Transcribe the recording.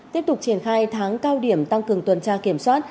tiếp tục triển khai tháng cao điểm tăng cường tuần tra kiểm soát